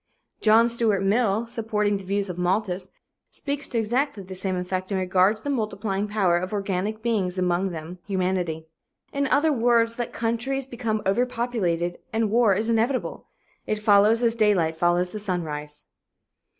John Stuart Mill, supporting the views of Malthus, speaks to exactly the same effect in regard to the multiplying power of organic beings, among them humanity. In other words, let countries become overpopulated and war is inevitable. It follows as daylight follows the sunrise.